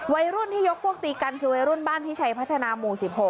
วัยรุ่นที่ยกพวกตีกันคือวัยรุ่นบ้านพิชัยพัฒนาหมู่๑๖